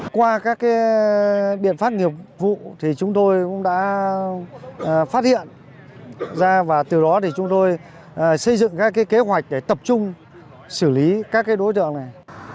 qua các biện pháp nghiệp vụ thì chúng tôi cũng đã phát hiện ra và từ đó thì chúng tôi xây dựng các kế hoạch để tập trung xử lý các đối tượng này